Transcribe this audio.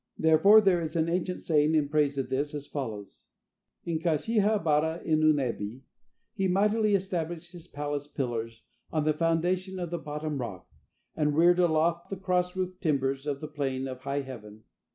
Therefore there is an ancient saying in praise of this, as follows: "In Kashiha bara in Unebi, he mightily established his palace pillars on the foundation of the bottom rock, and reared aloft the cross roof timbers to the plain of high heaven.